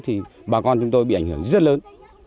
thì bà con chúng tôi bị ảnh hưởng rất lớn